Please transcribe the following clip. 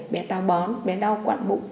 bé tao bón bé đau quặn bụng